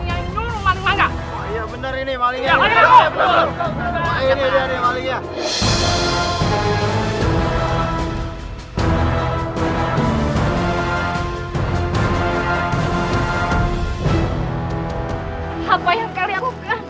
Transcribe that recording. apa yang kalian lakukan